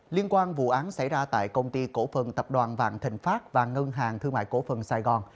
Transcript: liên quan vụ án xảy ra tại công ty cổ phần tập đoàn vạn thịnh pháp và ngân hàng thương mại cổ phần sài gòn